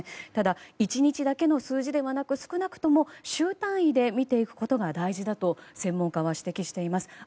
ただ、１日だけの数字ではなく少なくとも週単位で見ていくことが大事だと専門家は指摘しています。